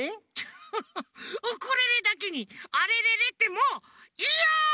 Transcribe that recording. フフッウクレレだけにアレレレってもういいよ！